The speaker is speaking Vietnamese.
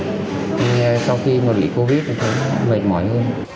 nhưng sau khi mà bị covid thì mệt mỏi hơn